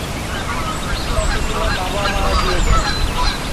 তত দিনে বাবাও মারা গিয়েছেন।